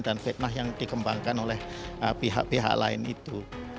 dan fitnah yang dikembangkan oleh pihak pihak lain itu